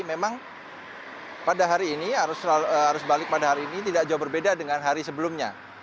memang pada hari ini arus balik pada hari ini tidak jauh berbeda dengan hari sebelumnya